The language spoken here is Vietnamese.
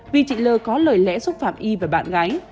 vì chị l có lời lẽ xúc phạm y và bạn gái